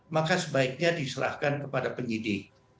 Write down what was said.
maka sebaiknya diserahkan kepada penyidik